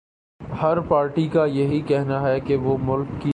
ہر party کایہی کہنا ہے کہ وہ ملک کی